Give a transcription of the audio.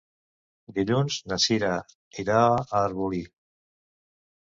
Dilluns na Cira irà a Arbolí.